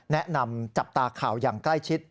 แนะนำจับตาข่าวอย่างใกล้ชิด